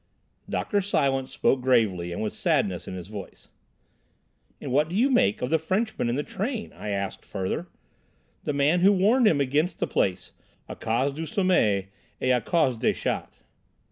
Dr. Silence spoke gravely and with sadness in his voice. "And what do you make of the Frenchman in the train?" I asked further—"the man who warned him against the place, _à cause du sommeil et à cause des chats?